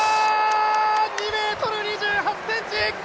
２ｍ２８ｃｍ！